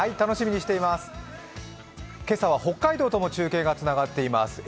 今朝は北海道とも中継がつながっています。